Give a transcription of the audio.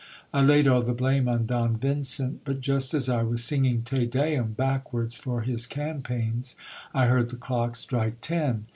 I laid all the blame on Don Vincent ; but just as I was singing Te D mm backwards for his campaigns, I heard the clock strike ten.